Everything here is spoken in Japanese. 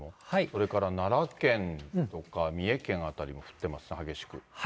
それから奈良県とか、三重県辺りも降ってますね、激しく。